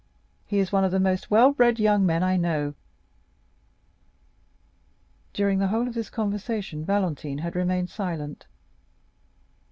"He is one of the most well bred young men I know." During the whole of this conversation Valentine had remained silent.